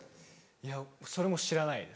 いやそれも知らないですね。